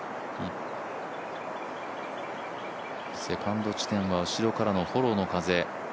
セカンド地点は後ろからのフォローの風。